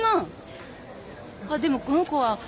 あっでもこの子は。